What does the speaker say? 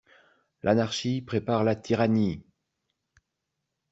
L'anarchie prépare la tyrannie.